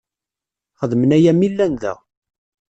Xedmen aya mi llan da.